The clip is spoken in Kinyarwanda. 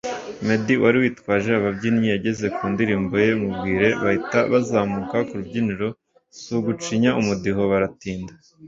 Meddy wari witwaje ababyinnyi yageze ku ndirimbo ye ‘Mubwire’ bahita bazamuka ku rubyiniro si ugucinya umudiho biratinda